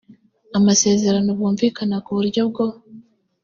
amasezerano bumvikana ku uburyo bwo